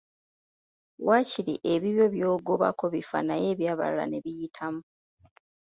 Wakiri ebibyo byogobako bifa naye ebyabalala ne biyitamu